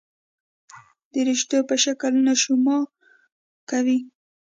درشتو په شکل نشونما کوي.